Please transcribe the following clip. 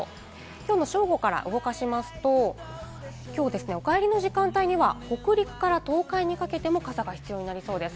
今日の正午から動かしますと、お帰りの時間帯には北陸から東海にかけても傘が必要になりそうです。